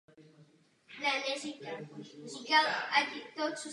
Vystřídal několik farností a nějakou dobu působil jako vězeňský kaplan.